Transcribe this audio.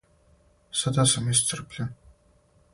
Сада сам исцрпљен.